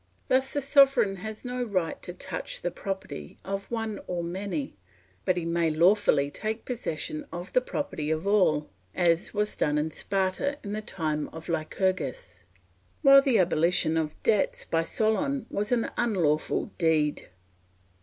Thus the sovereign has no right to touch the property of one or many; but he may lawfully take possession of the property of all, as was done in Sparta in the time of Lycurgus; while the abolition of debts by Solon was an unlawful deed.